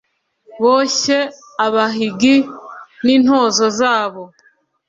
boshye abahigi n' intozo zabo.